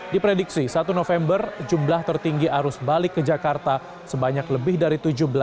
diprediksi satu november jumlah tertinggi arus balik ke jakarta sebanyak lebih dari tujuh belas